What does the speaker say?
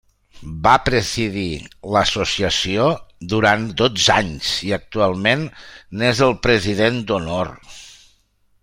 Va presidir l'associació durant dotze anys i actualment n'és el president d'honor.